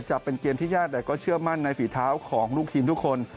จะเป็นเกมที่ญาติแต่ก็เชื่อมั่นในฝีเท้าของลูกทีมทุกคน